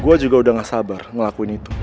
gue juga udah gak sabar ngelakuin itu